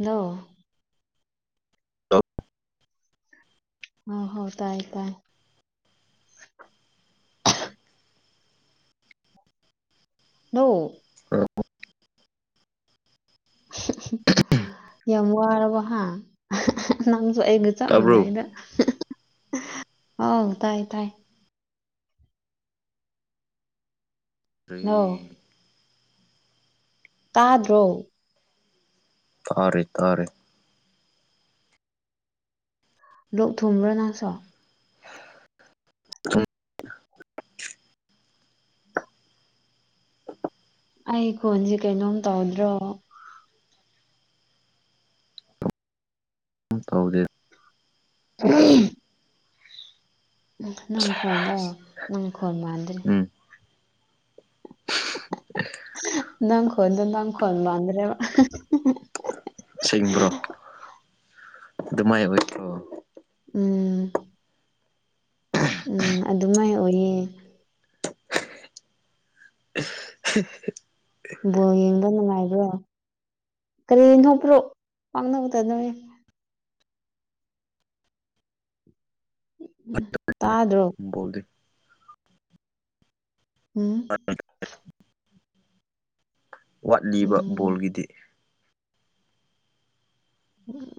ꯅꯣ ꯑ ꯍꯣ ꯇꯥꯏ ꯇꯥꯏ ꯅꯧ ꯍꯜꯂꯣ ꯌꯃꯔꯔꯕ ꯍꯥ ꯑꯩꯒ ꯆꯞ ꯃꯗꯥ ꯇꯥꯕ꯭ꯔꯣ ꯑꯩꯗ ꯍꯥꯎ ꯇꯥꯏ ꯇꯥꯏ ꯇꯦ ꯍꯜꯂꯣ ꯇꯥꯗ꯭ꯔꯣ ꯊꯥꯔꯦ ꯊꯥꯔꯦ ꯂꯣꯛ ꯊꯨꯝꯕ꯭ꯔꯣ ꯅꯪꯁꯣ ꯎ ꯑꯩ ꯀꯣꯟꯁꯦ ꯀꯩꯅꯣꯝ ꯇꯧꯗ꯭ꯔꯣ ꯇꯧꯗꯦ ꯎꯝ ꯅꯪ ꯀꯣꯟꯗꯣ ꯅꯪ ꯀꯣꯟꯣꯟ ꯃꯥꯥꯟꯗ꯭ꯔꯦ ꯎꯝ [unintelligible] ꯅꯪ ꯈꯟ ꯅꯪ ꯈꯣꯟꯕꯗ꯭ꯔꯦ ꯁꯦꯡꯕ꯭ꯔꯣ ꯑꯗꯨꯃꯥꯏ ꯑꯣꯏ꯭ꯔꯣ ꯎꯝ ꯎꯝ ꯑꯗꯨꯃꯥꯏ ꯑꯣꯏꯌꯦ ꯕꯣ ꯌꯦꯡꯕ ꯅꯨꯡꯉꯥꯏꯕ꯭ꯔꯣ ꯀꯔꯤꯊꯣꯛꯄ꯭ꯔꯣ ꯄꯥꯡꯅꯕꯗꯗꯅꯤ ꯇꯥꯗ꯭ꯔꯣ ꯣꯂꯤ ꯎꯝ ꯋꯥꯠꯂꯤꯕ ꯎꯝ ꯕꯣꯜꯒꯤꯗꯤ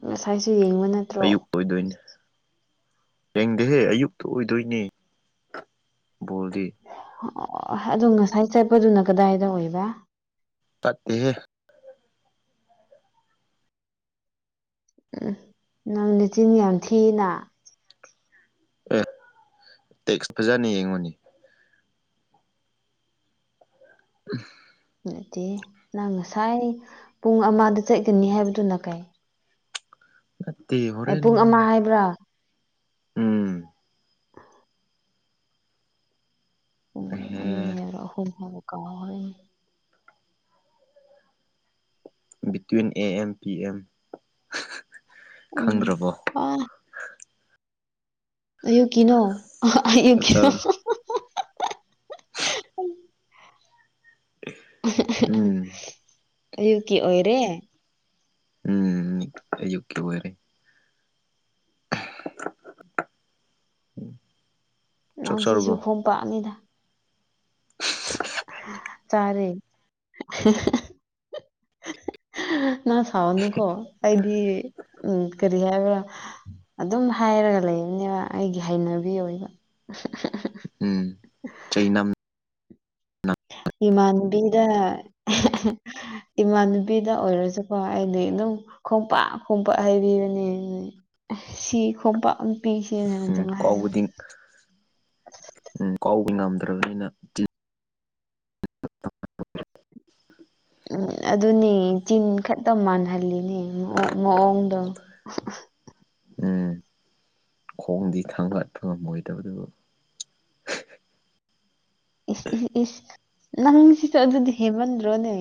ꯉꯁꯥꯏꯁꯨ ꯌꯦꯡꯕ ꯅꯠꯇ꯭ꯔꯣ ꯑꯌꯨꯛꯇ ꯑꯣꯏꯗꯣꯏꯅꯦ ꯌꯦꯡꯗꯦꯍꯦ ꯑꯌꯨꯛꯇ ꯑꯣꯏꯗꯣꯏꯅꯦ ꯕꯣꯜꯗꯤ ꯑꯣ ꯑꯗꯨꯗꯣ ꯉꯁꯥꯏ ꯆꯠꯄꯗꯨꯅ ꯀꯗꯥꯏꯗ ꯑꯣꯏꯕ ꯐꯠꯇꯦ ꯎꯝ ꯅꯪꯅꯆꯤꯤꯟ ꯌꯥꯝ ꯊꯤꯅ ꯑꯦ ꯇꯦꯛꯁ ꯐꯖꯅ ꯌꯦꯡꯉꯨꯅꯤ ꯎ ꯅꯠꯇꯦ ꯅꯪ ꯉꯁꯥꯏ ꯄꯨꯡ ꯑꯃꯗ ꯆꯠꯀꯅꯤ ꯍꯥꯏꯕꯗꯨꯅ ꯀꯥꯏ ꯅꯠꯇꯦ ꯑꯦ ꯍꯣꯔꯦꯟ ꯄꯨꯡ ꯑꯃ ꯍꯥꯏꯕ꯭ꯔꯥ ꯎꯝ ꯑꯍꯦ ꯎꯝꯅꯤꯔꯍꯨꯝ ꯍꯥꯏꯕ ꯀ between A M P M ꯎꯝ ꯈꯪꯗ꯭ꯔꯕꯣ ꯍ ꯀꯅꯣ ꯆꯥꯛ ꯀꯅꯣ ꯆꯥꯔꯕꯣ ꯎꯝ ꯑꯌꯨꯀꯤ ꯑꯣꯏꯔꯦ ꯎꯝ ꯌꯀꯤ ꯑꯣꯏꯔꯦ [inaudible] ꯆꯥꯛ ꯅꯪ ꯁꯤꯁꯨ ꯆꯥꯔꯕꯣ ꯈꯣꯡꯝꯄꯥꯛꯅꯤꯗ ꯆꯔꯦ ꯅ ꯁꯥꯎꯅꯨ ꯀꯣ ꯑꯩꯗꯤ ꯎ ꯀꯔꯤ ꯍꯥꯏꯦꯕ ꯑꯗꯨꯝ ꯍꯥꯏꯔꯒ ꯂꯩꯕꯅꯦꯕ ꯑꯩꯒꯤ ꯍꯩꯅꯕꯤ ꯑꯣꯏꯕ ꯎꯝ ꯆꯩ ꯅꯝ ꯑ ꯏꯃꯥꯟꯅꯕꯤꯗ ꯏꯃꯥꯟꯅꯕꯤꯗ ꯑꯣꯏꯔꯁꯨꯀꯣ ꯑꯩꯗꯤ ꯑꯗꯨꯝ ꯈꯣꯡꯝꯄꯥꯛ ꯈꯣꯡꯄꯥꯛ ꯍꯥꯏꯕꯤꯕꯅꯦ ꯁꯤ ꯈꯣꯡꯄꯥꯛ ꯄꯤꯁꯦꯅ ꯎꯝ ꯑꯗꯨꯝ ꯍꯥꯏꯕ ꯀꯥꯎꯕꯨꯗꯤꯝ ꯀ ꯉꯝꯗ꯭ꯔꯕꯅꯤꯅ [unintelligible] ꯎꯝ ꯑꯗꯨꯅꯦ ꯆꯤꯟ ꯈꯛꯇ ꯃꯥꯟꯍꯜꯂꯤꯅꯦ ꯃꯑꯣꯡꯗꯣ [unintelligible] ꯎꯝ ꯈꯣꯡꯗꯤ ꯈꯥꯡꯕꯍꯠꯄ ꯉꯝꯃꯣꯏꯗꯕꯗꯨꯕꯨ ꯏ ꯏ ꯏꯁ ꯅꯪꯁꯤꯁꯨ ꯑꯗꯨꯗꯤ ꯍꯦꯃꯟ꯭ꯔꯣꯅꯦ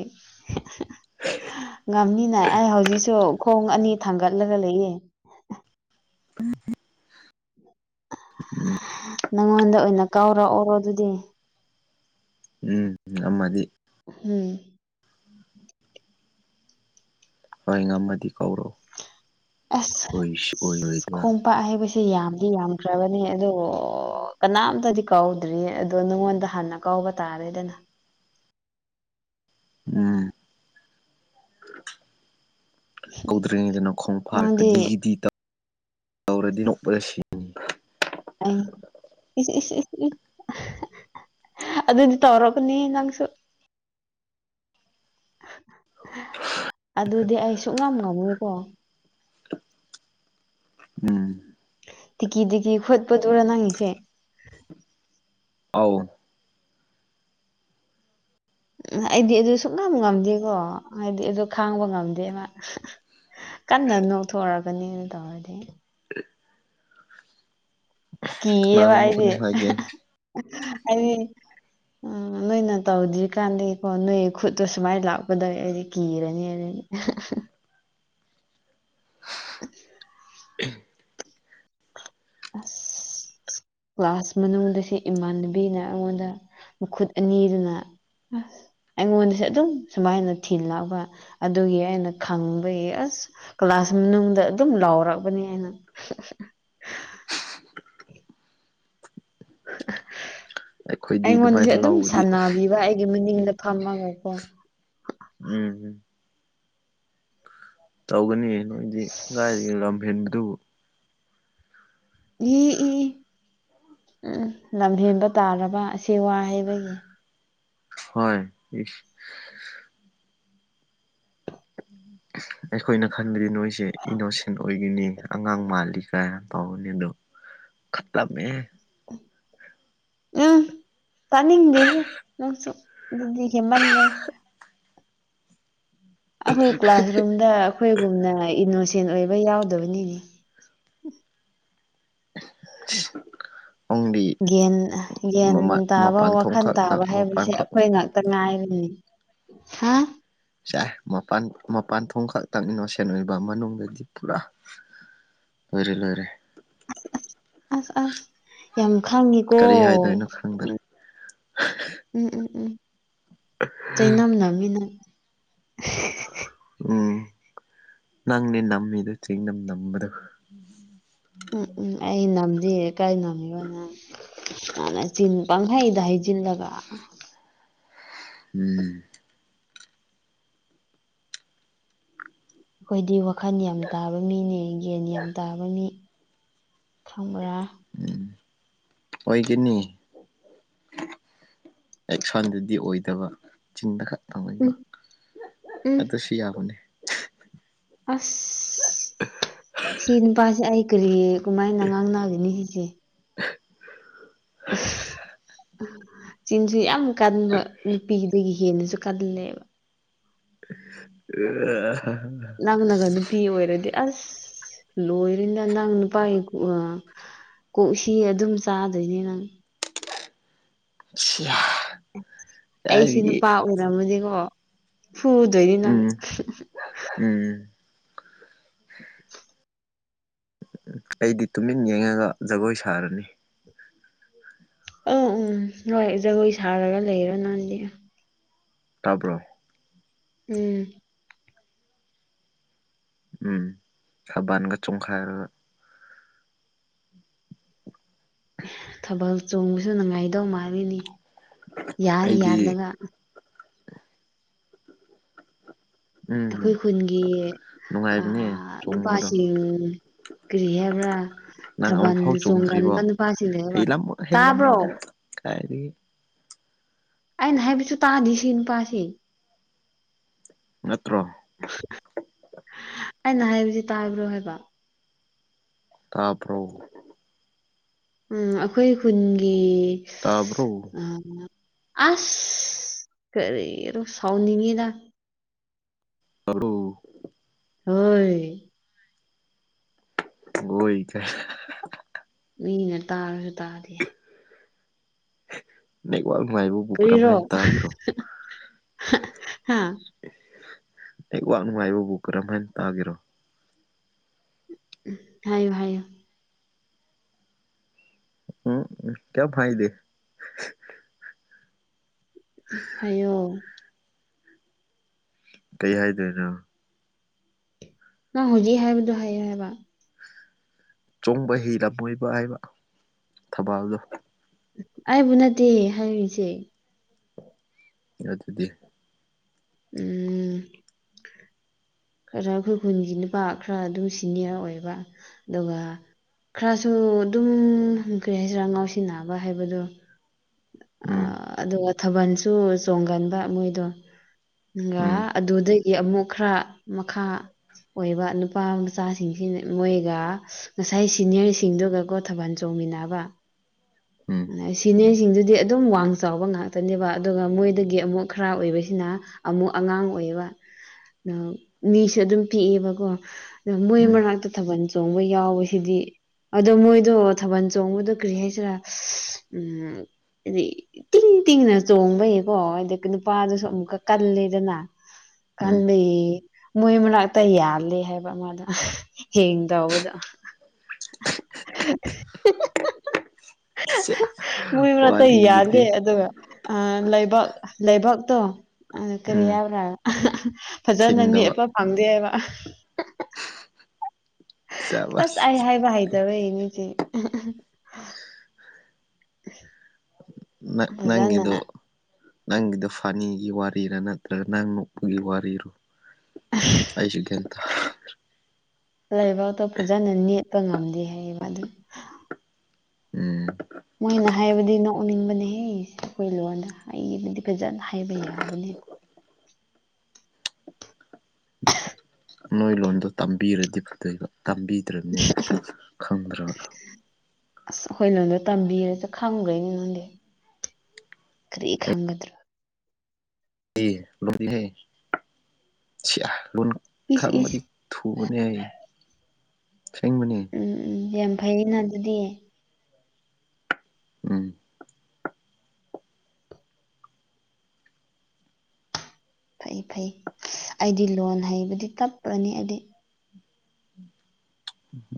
ꯉꯝꯅꯤꯅ ꯑꯩ ꯍꯧꯖꯤꯛꯁꯨ ꯈꯣꯡ ꯑꯅꯤ ꯊꯥꯡꯒꯠꯂꯒ ꯂꯩꯌꯦ ꯅꯪꯉꯣꯟꯗ ꯑꯣꯏꯅ ꯀꯥꯎꯔꯛꯑꯣꯔꯣ ꯑꯗꯨꯗꯤ ꯎꯝ ꯑꯃꯗꯤ ꯎꯝ ꯍꯣꯏ ꯉꯝꯃꯗꯤ ꯀꯧꯔꯣ ꯑꯁ ꯑꯣꯏꯁꯨ ꯑꯣꯏꯔꯣꯏꯗꯕ ꯈꯣꯡꯄꯥꯛ ꯍꯥꯏꯕꯕꯁꯤꯦ ꯌꯥꯝꯗꯤ ꯌꯥꯝꯗ꯭ꯔꯕꯅꯦ ꯑꯗꯣ ꯀꯅꯥꯝꯇꯗꯤ ꯀꯥꯎꯗ꯭ꯔꯤ ꯑꯗꯣ ꯅꯪꯉꯣꯟꯗ ꯍꯥꯟꯅ ꯀꯥꯎꯕ ꯇꯥꯔꯦꯗꯅ ꯎꯝ ꯀꯧꯗ꯭ꯔꯤꯉꯩꯗꯅ ꯈꯣꯡ ꯅꯪꯗꯤ ꯐꯥꯔꯒꯗꯤꯒꯤꯗꯤ ꯇꯧ ꯌꯥꯥꯎꯔꯗꯤ ꯅꯣꯛꯕꯔꯦ ꯁꯤ ꯏ ꯑꯗꯨꯗꯤ ꯇꯧꯔꯛꯒꯅꯦ ꯅꯪꯁꯨ [unintelligible] ꯑꯗꯨꯗꯤ ꯑꯩ ꯁꯨꯡꯛ ꯉꯝ ꯉꯝꯅꯤꯦꯀꯣ ꯎꯝ ꯇꯛꯤ ꯇꯤ ꯈꯣꯠ ꯐꯠ ꯎꯔ ꯅꯅꯥꯉꯁꯦ ꯑꯥꯎ ꯎ ꯑꯩꯗꯤ ꯑꯗꯨ ꯁꯨꯅꯝ ꯉꯝꯗꯦꯀꯣ ꯍꯥꯏꯗꯤ ꯑꯗꯨ ꯈꯥꯡꯕ ꯉꯝꯗꯦ ꯃꯥ ꯀꯟꯅ ꯅꯣꯛꯊꯣꯛꯑꯒꯅꯦꯅ ꯇꯧꯔꯗꯤ ꯀꯕ ꯀꯅꯥꯅꯣ ꯍꯥꯏꯗꯤ ꯅꯣꯛꯀꯅꯨ ꯍꯥꯏꯒꯦ ꯍꯥꯏꯗꯤ ꯎꯝ ꯅꯣꯏꯅ ꯇꯧꯗ꯭ꯔꯤ ꯀꯥꯟꯗꯀꯣ ꯅꯣꯏ ꯈꯨꯠꯇꯨ ꯁꯨꯃꯥꯏꯅ ꯂꯥꯛꯀꯗꯧꯦ ꯑꯩꯗꯤ ꯀꯤꯔꯅꯤ ꯍꯥꯏꯔꯅꯤ [unintelligible] [unintelligible] [inaudible] ꯑ ꯀ꯭ꯂꯥꯁ ꯃꯅꯨꯡꯗꯁꯤ ꯏꯃꯥꯟꯅꯕꯤꯅ ꯑꯩꯉꯣꯟꯗ ꯃꯈꯨꯠ ꯑꯅꯤꯗꯨꯅ ꯑꯁ ꯑꯩꯉꯣꯟꯗꯁꯨꯦ ꯑꯗꯨꯝ ꯁꯨꯃꯥꯏꯅ ꯊꯤꯜꯂꯛꯕ ꯑꯗꯨꯒꯤ ꯑꯩꯅ ꯈꯪꯕꯒꯤ ꯑꯁ ꯀ꯭ꯂꯥꯁ ꯃꯅꯨꯡꯗ ꯑꯗꯨꯝ ꯂꯥꯎꯔꯛꯕꯅꯤ ꯑꯩꯅ [inaudible] ꯑꯩꯈꯣꯏꯗꯤ ꯑꯩꯉꯣꯟꯗꯁꯨ ꯑꯗꯨꯃꯥꯏꯅ ꯑꯗꯨꯝ ꯂꯧꯕꯗꯤ ꯁꯥꯟꯅꯕꯤꯕ ꯑꯩꯒꯤ ꯃꯅꯤꯡꯗ ꯐꯝꯃꯒꯀꯣ ꯎꯝ ꯎꯝ ꯇꯧꯒꯅꯤ ꯅꯣꯏꯗꯤ ꯀꯥꯏꯗꯒꯤ ꯂꯝ ꯍꯦꯟꯕꯗꯨꯕꯨ ꯏ ꯏ ꯏ ꯎꯝ ꯂꯝꯍꯦꯟꯕ ꯇꯥꯔꯕ ꯑꯁꯤ ꯋꯥ ꯍꯥꯏꯕꯒꯤ ꯍꯣꯏ [unintelligible] ꯑꯩꯈꯣꯏꯅ ꯈꯟꯕꯗꯤ ꯅꯣꯏꯁꯦ ꯏꯅꯣꯁꯦꯟ ꯑꯣꯏꯒꯅꯤ ꯑꯉꯥꯡ ꯃꯥꯜꯂꯤ ꯀꯥꯏ ꯇꯧꯕꯅꯤ ꯑꯗꯣ ꯈꯠꯂꯝꯃꯦ ꯎꯝ ꯇꯥꯅꯤꯡꯗꯦꯍꯦ ꯅꯪꯁꯨ ꯍꯦꯃꯟꯂꯦ ꯑꯈꯣꯏ ꯀ꯭ꯂꯥꯁꯔꯨꯝꯗ ꯑꯈꯣꯏꯒꯨꯝꯅ ꯏꯅꯣꯁꯦꯟ ꯑꯣꯏꯕ ꯩꯌꯥꯎꯗꯕꯅꯤꯅꯦ [unintelligible] ꯒ꯭ꯌꯥꯟ ꯒ꯭ꯌꯥꯟ ꯃꯃꯥ ꯇꯥꯕ ꯃꯄꯥꯟ ꯊꯣꯡ ꯋꯥꯈꯜ ꯈꯛꯇꯪ ꯇꯥꯕ ꯃꯄꯥꯟ ꯍꯥꯏꯕꯁꯦ ꯈꯛ ꯑꯈꯣꯏ ꯉꯥꯛꯇ ꯉꯥꯏꯔꯤꯅꯤ ꯍꯥ ꯃꯄꯥꯟ ꯃꯄꯥꯟ ꯊꯣꯡ ꯈꯛꯇꯪ ꯏꯅꯣꯁꯦꯟ ꯑꯣꯏꯕ ꯃꯅꯨꯡꯗꯗꯤ ꯄꯨꯔꯥ ꯂꯣꯏꯔꯦ ꯂꯣꯏꯔꯦ ꯑꯁ ꯑꯁ ꯌꯥꯝ ꯈꯪꯉꯤꯀꯣ ꯀꯔꯤ ꯍꯥꯏꯗꯣꯏꯅꯣ ꯈꯪꯗ꯭ꯔꯦ ꯎꯝ ꯎꯝ ꯎꯝ ꯎꯝ ꯆꯩꯅꯝ ꯅꯝꯃꯤꯅꯪ ꯎꯝ ꯅꯪꯅꯦ ꯅꯝꯃꯤꯗꯤ ꯆꯩꯅꯝ ꯅꯝꯕꯗꯣ ꯎꯝ ꯎꯝ ꯑꯩ ꯅꯝꯗꯦ ꯀꯥꯏ ꯅꯝꯃꯤꯅꯣꯅꯦ ꯅꯪ ꯅꯆꯤꯟ ꯄꯪꯍꯥꯏꯗ ꯍꯥꯏꯖꯤꯜꯂꯒ ꯎꯝ ꯑꯩꯈꯣꯏꯗꯤ ꯋꯥꯈꯜ ꯌꯥꯝ ꯇꯥꯕ ꯃꯤꯅꯦ ꯒ꯭ꯌꯥꯟ ꯌꯥꯝ ꯇꯥꯕ ꯃꯤ ꯈꯪꯕ꯭ꯔꯥ ꯎꯝ ꯑꯣꯏꯒꯅꯤ ꯑꯦꯛꯁꯟꯗꯗꯤ ꯑꯣꯏꯗꯕ ꯆꯤꯟꯗ ꯈꯛ ꯑꯣꯏꯕ ꯎꯝ ꯎꯝ ꯑꯗꯨꯁꯨ ꯌꯥꯕꯅꯦ ꯑꯁ ꯁꯤꯅꯨꯄꯥꯥꯁꯦ ꯑꯩ ꯀꯔꯤ ꯀꯃꯥꯏꯅ ꯉꯥꯡꯅꯅꯥꯒꯅꯤ ꯁꯤꯗꯤ [unintelligible] ꯆꯤꯟꯁꯨ ꯌꯥꯝ ꯀꯟꯕ ꯅꯨꯄꯤꯗꯒꯤ ꯍꯦꯟꯅꯁꯨ ꯀꯜꯂꯦꯕ ꯑ ꯅꯪꯅꯒ ꯅꯨꯄꯤ ꯑꯣꯏꯔꯗꯤ ꯑꯁ ꯂꯣꯔꯦꯅ ꯅꯪ ꯅꯨꯄꯥꯏ ꯑ ꯀꯣꯛꯁꯤ ꯑꯗꯨꯝ ꯆꯥꯗꯣꯏꯅꯤ ꯅꯪ [unintelligible] ꯑꯩꯁꯤ ꯀꯥꯏꯗꯒꯤ ꯅꯨꯄꯥ ꯑꯣꯏꯔꯝꯃꯗꯤꯀꯣ ꯐꯨꯗꯣꯏꯅꯤ ꯅꯪ ꯎꯝ ꯎꯝ ꯑꯩꯗꯤ ꯇꯨꯃꯤꯟ ꯌꯦꯡꯉꯒ ꯖꯒꯣꯏ ꯁꯥꯔꯅꯤ ꯑꯝ ꯎꯝ ꯍꯣꯏ ꯖꯒꯣꯏ ꯁꯥꯔꯒ ꯂꯩꯔꯣ ꯅꯪꯗꯤ ꯇꯥꯕ꯭ꯔꯣ ꯎꯝ ꯎꯝ ꯊꯥꯕꯟꯒ ꯆꯣꯡꯈꯥꯏꯔꯒ ꯊꯥꯕꯜ ꯆꯣꯡꯕꯁꯨ ꯅꯨꯡꯉꯥꯏꯗꯧ ꯃꯥꯜꯂꯤꯅꯤ ꯌꯥꯔ ꯑꯩꯗꯤ ꯌꯥꯜꯂꯒ ꯎꯝ ꯑꯩꯈꯣꯏ ꯈꯨꯟꯒꯤ ꯅꯨꯡꯉꯥꯏꯕꯅꯦ ꯑꯥ ꯆꯣꯡꯕꯗꯣ ꯅꯨꯄꯥꯁꯤꯡ ꯀꯔꯤ ꯍꯥꯏꯕ꯭ꯔ ꯅꯪ ꯊꯥꯕꯜ ꯑꯃꯨꯛꯐꯥꯎ ꯆꯣꯡꯗ꯭ꯔꯤꯕꯣ ꯆꯣꯡꯒꯟꯕ ꯅꯨꯄꯥꯁꯤꯡꯅꯦꯕ ꯇꯥꯕ꯭ꯔꯣ ꯍꯥꯏꯗꯤ ꯑꯩꯅ ꯍꯥꯏꯕꯁꯨ ꯇꯥꯗꯤ ꯁꯤ ꯅꯨꯄꯥꯁꯤ ꯃ ꯑꯩꯅ ꯍꯥꯏꯕꯁꯤ ꯇꯥꯕ꯭ꯔꯣ ꯍꯥꯏꯕ ꯇꯥꯔꯕ꯭ꯔꯣ ꯎꯝ ꯑꯩꯈꯣꯏ ꯈꯨꯟꯒꯤ ꯇꯥꯕ꯭ꯔꯣ ꯑꯁ ꯈꯔꯔꯤ ꯌꯔꯣ ꯁꯥꯎꯅꯤ ꯃꯤꯗ ꯇꯔꯨ ꯍꯣꯏ ꯑꯣꯏꯣꯏ ꯀꯥꯏ ꯃꯤꯅ ꯇꯥꯔꯁꯨ ꯇꯥꯗꯤꯦ [unintelligible] ꯀ꯭ꯋꯥꯛ ꯅꯨꯡ ꯉꯥꯏꯕꯕꯨ ꯀꯔꯝꯍ ꯀꯔꯤꯔꯣ ꯍꯥꯏꯅ ꯇꯥꯒꯦꯔꯣ ꯍꯥ ꯑꯩ ꯋꯥꯥꯛ ꯅꯨꯡꯉꯥꯏꯕꯕꯨ ꯀꯔꯝꯍ ꯍꯥꯏꯅ ꯇꯥꯒꯦꯔꯣ ꯎ ꯍꯥꯏꯌꯣ ꯍꯥꯏꯌꯣ ꯎꯝ ꯀꯌꯥ ꯐꯥꯏꯗꯦ ꯍꯥꯏꯌꯣ ꯀꯩ ꯍꯥꯏꯗꯣꯏꯅꯣ ꯅꯪ ꯍꯧꯖꯤꯛ ꯍꯥꯏꯕꯗꯨꯣ ꯍꯥꯏꯌ ꯍꯥꯏꯕ ꯆꯣꯡꯕ ꯍꯤꯂꯝꯃꯣꯏꯕ ꯍꯥꯏꯕ ꯊꯕꯥꯜꯗꯣ ꯑꯩꯕꯨ ꯅꯠꯇꯦ ꯍꯥꯏꯔꯤꯁꯦ ꯑꯗꯨ ꯑꯗꯨꯗꯤ ꯎꯝ ꯈꯔ ꯑꯩꯈꯣꯏ ꯈꯨꯟꯒꯤ ꯅꯨꯄꯥ ꯈꯔ ꯑꯗꯨꯝ ꯁꯤꯅꯤꯌꯔ ꯑꯣꯏꯕ ꯑꯗꯨꯒ ꯈꯔꯁꯨ ꯑꯗꯨꯝ ꯍꯪ ꯀꯔꯤ ꯍꯥꯏꯁꯤꯔꯥ ꯉꯥꯎꯁꯤꯟꯅꯕ ꯍꯥꯏꯕꯗꯣ ꯑ ꯎꯝ ꯑꯗꯨꯒ ꯊꯥꯕꯜꯁꯨ ꯆꯣꯡꯒꯟꯕ ꯃꯣꯏꯗꯣ ꯒꯥ ꯎꯝ ꯑꯗꯨꯗꯒꯤ ꯑꯃꯨꯛ ꯈꯔ ꯃꯈꯥ ꯑꯣꯏꯕ ꯅꯨꯄꯥ ꯃꯆꯥꯁꯤꯡꯁꯤ ꯃꯣꯏꯒ ꯉꯁꯥꯏ ꯁꯤꯅꯤꯌꯔꯁꯤꯡꯗꯨꯒꯀꯣ ꯊꯥꯕꯥꯜ ꯆꯣꯡ ꯃꯤꯟꯅꯕ ꯎꯝ ꯁꯤꯅꯦꯁꯤꯡꯗꯨꯗꯤ ꯑꯗꯨꯝ ꯋꯥꯡ ꯆꯥꯎꯕ ꯉꯥꯛꯇꯅꯦꯕ ꯑꯗꯨꯒ ꯃꯣꯏꯗꯒꯤ ꯑꯃꯨꯛ ꯈꯔ ꯑꯣꯏꯕꯁꯤꯅ ꯑꯃꯨꯛ ꯑꯉꯥꯡ ꯑꯣꯏꯕ ꯃꯤꯁꯨ ꯑꯗꯨꯝ ꯄꯤꯛꯑꯦꯕꯀꯣ ꯑꯗꯣ ꯃꯣꯏ ꯎꯝ ꯃꯅꯥꯛꯇ ꯊꯥꯕꯜ ꯆꯣꯡꯕ ꯌꯥꯎꯕꯁꯤꯗꯤ ꯑꯗꯣ ꯃꯣꯏꯗꯣ ꯊꯥꯕꯜ ꯆꯣꯡꯕꯗꯣ ꯀ꯭ꯔꯤ ꯍꯥꯏꯁꯤꯔꯥ ꯎꯝ ꯍꯥꯏꯗꯤ ꯇꯤꯡ ꯇꯤꯡꯅ ꯆꯣꯡꯕꯌꯦꯀꯣ ꯍꯥꯏ ꯅꯨꯄꯥꯗꯨꯁꯨ ꯑꯃꯨꯛꯀ ꯀꯜꯂꯦꯗꯅ ꯎꯝ ꯀꯜꯂꯤ ꯃꯣꯏ ꯃꯅꯥꯛꯇ ꯌꯥꯜꯂꯤꯦ ꯍꯥꯏꯕ ꯃꯥꯗ ꯍꯦꯡ ꯇꯕꯗꯣ [unintelligible] ꯑꯦ ꯃꯣꯏ ꯃꯔꯠꯇ ꯌꯥꯗꯦ ꯑꯗꯨꯒ ꯂꯩꯕꯛ ꯂꯩꯕꯛꯇꯣ ꯑ ꯀꯔꯤ ꯎꯝ ꯌꯥꯕ꯭ꯔꯥ ꯐꯖꯅꯅꯤ ꯊꯤꯡꯗꯕ ꯋꯥ ꯑꯁ ꯆꯥꯕꯁ ꯑꯩ ꯍꯥꯏꯕ ꯍꯩꯗꯕꯦ ꯏꯅꯤꯁꯦ [inaudible] ꯅ ꯐꯖꯅ ꯅꯪꯗꯨ ꯅꯪꯒꯤꯗ ꯐꯥꯅꯤꯒꯤ ꯋꯥꯔꯤꯔꯥ ꯅꯠꯇ꯭ꯔꯒ ꯅꯪ ꯅꯣꯛꯄꯒꯤ ꯋꯥꯔꯤꯔꯣ ꯑꯩꯁꯨꯒꯦꯦꯟꯗ ꯂꯩꯕꯥꯛꯇꯣ ꯐꯖꯅ ꯅꯦꯠꯄ ꯉꯝꯗꯦ ꯍꯥꯏꯌꯦꯕ ꯑꯗꯨ ꯎꯝ ꯃꯣꯏꯅ ꯍꯥꯏꯕꯗꯤ ꯅꯣꯛꯅꯤꯡꯕꯅꯦꯍꯦ ꯑꯈꯣꯏ ꯂꯣꯟꯗ ꯑꯩꯕꯨꯗꯤ ꯐꯖꯅ ꯍꯥꯏꯕ ꯌꯥꯕꯅꯦ꯫ [unintelligible] [unintelligible] ꯅꯣꯏ ꯂꯣꯟꯗꯣ ꯇꯝꯕꯤꯔꯗꯤ ꯐꯗꯣꯏꯕ꯫ ꯇꯝꯕꯤꯗ꯭ꯔꯕꯅꯤꯅ ꯈꯪꯗ꯭ꯔꯕ꯫ ꯑꯁ ꯑꯩꯈꯣꯏ ꯅꯣꯟꯗꫭ ꯇꯝꯕꯤꯔꯁꯨ ꯈꯪꯔꫭꯏꯅꯦ ꯅꯪꯗꯤ꯫ ꯀ꯭ꯔꯦ ꯈꯪꯒꯗ꯭ꯔ꯫ [unintelligible] ꯁꯤꯌꯥ꯫ ꯂꯣꯟ ꯏꯁ ꯏꯁ ꯈꯪꯕꯗꯤ ꯊꯨꯕꯅꯦ ꯑꯩ꯫ ꯑꯁꯦꯡꯕꯅꯦ ꯎꯝ ꯎꯝ ꯌꯥꯝ ꯐꯩꯅ ꯑꯗꯨꯗꯤ꯫ ꯎꯝ꯫ ꯐꯩ-ꯐꯩ ꯑꯩꯗꯤ ꯂꯣꯟ ꯍꯩꯕꯗꯤ ꯇꯞꯄꯅꯤ ꯑꯩꯗꯤ꯫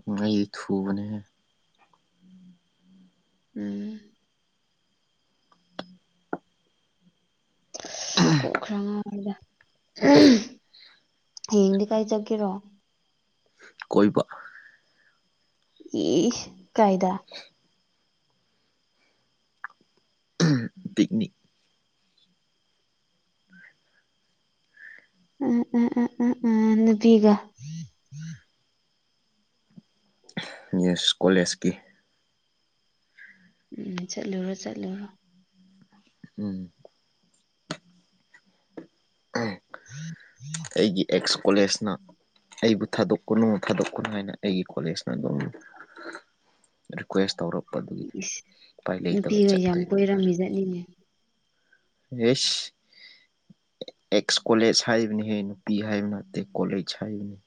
ꯉ ꯑꯩꯗꯤ ꯊꯕꯅꯦ ꯍꯦ꯫ ꯎꯝ꯫ ꯀꯣꯛꯈ꯭ꯔ ꯉꯥꯎꯏꯗ꯫ ꯍꯌꯦꯡꯗꯤ ꯀꯥꯏ ꯆꯠꯀꯦꯔꯣ꯫ ꯀꯣꯏꯕ꯫ ꯏ ꯀꯥꯏꯗ꯫ ꯄꯤꯛꯅꯤꯛ꯫ ꯎ ꯎ ꯎ ꯎꯝ ꯎꯝ ꯅꯨꯄꯤꯒ꯫ ꯌꯦꯁ ꯀꯣꯂꯦꯖꯀꯤ꯫ ꯎꯝ ꯆꯠꯂꯨꯔꯣ-ꯆꯠꯂꯨꯔꯣ꯫ ꯎꯝ꯫ ꯑꯩꯒꯤ ꯑꯦꯛꯁ ꯀꯣꯂꯦꯖꯅ ꯑꯩꯕꯨ ꯊꯥꯗꯣꯛꯀꯅꯨ-ꯊꯥꯗꯣꯛꯀꯅꯨ ꯍꯥꯏꯅ ꯑꯩꯒꯤ ꯀꯣꯂꯦꯖꯅ ꯑꯗꯨꯝ ꯔꯤꯀ꯭ꯋꯦꯁ ꯇꯧꯔꯛꯄꯗꯨꯒꯤ ꯏꯁ ꯎꯄꯥꯏ ꯂꯩꯇꯕ ꯅꯨꯄꯤꯒ ꯌꯥꯝ ꯆꯠꯇꯣꯏ ꯍꯥꯏꯇꯥꯥꯔꯦ꯫ ꯀꯣꯏꯔꯝꯃꯤꯖꯠꯅꯤꯅꯦ ꯌꯦꯁ꯫ ꯑꯦꯛꯁ ꯀꯣꯂꯦꯖ ꯍꯥꯏꯕꯅꯤꯍꯌꯦ ꯅꯨꯄꯤ ꯍꯥꯏꯕ ꯅꯠꯇꯦ ꯀꯣꯂꯦꯖ ꯍꯥꯏꯕꯅꯤ꯫